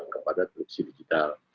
kepada televisi digital